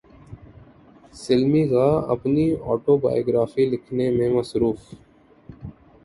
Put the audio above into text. سلمی غا اپنی اٹوبایوگرافی لکھنے میں مصروف